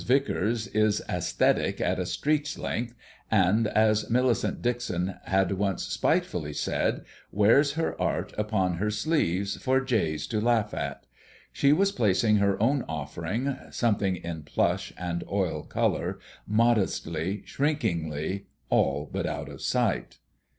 Vicars is æsthetic at a street's length, and, as Millicent Dixon had once spitefully said, wears her art upon her sleeves for Jays to laugh at. She was placing her own offering, something in plush and oil colour, modestly, shrinkingly, all but out of sight.